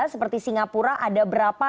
seperti singapura ada berapa